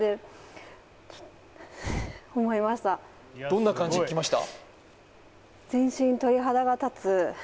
どんな感じきました？